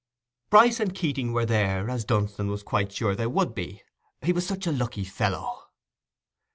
Bryce and Keating were there, as Dunstan was quite sure they would be—he was such a lucky fellow.